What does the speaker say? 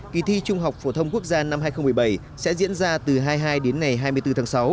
kỳ thi trung học phổ thông quốc gia năm hai nghìn một mươi bảy sẽ diễn ra từ hai mươi hai đến ngày hai mươi bốn tháng sáu